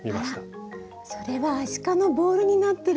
あらそれはアシカのボールになってるんですか？